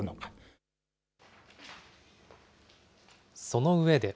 その上で。